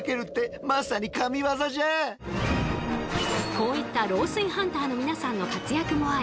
こういった漏水ハンターの皆さんの活躍もあり